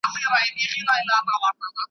د زمريو په زانګوکي .